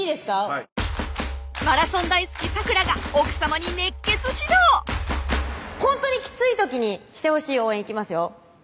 はいマラソン大好き咲楽が奥さまに熱血指導ほんとにきつい時にしてほしい応援いきますよ